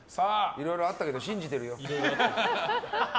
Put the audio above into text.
いろいろあったけど信じてるよ。